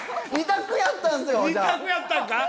２択やったんすよ！